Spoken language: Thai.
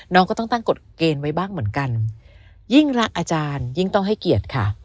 น้องก็ต้องตั้งกฎเกณฑ์ไว้บ้างเหมือนกันยิ่งรักอาจารยิ่งต้องให้เกียรติค่ะ